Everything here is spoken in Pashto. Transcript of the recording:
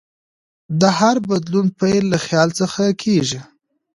د هر بدلون پیل له خیال څخه کېږي.